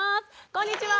こんにちは。